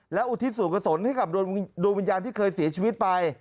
และอุทิศส่วนกษลให้กับดวงวิญญาณที่เคยเสียชีวิตไป